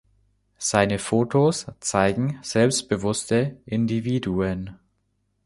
Seine Fotos zeigen selbstbewusste Individuen.